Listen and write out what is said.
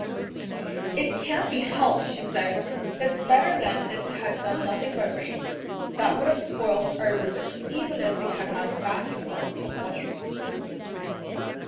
"It can't be helped," she said. "It's better than if it had done nothing but rain. That would have spoilt our visit, even if we had had basketfuls of mushrooms."